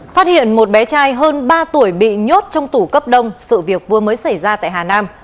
phát hiện một bé trai hơn ba tuổi bị nhốt trong tủ cấp đông sự việc vừa mới xảy ra tại hà nam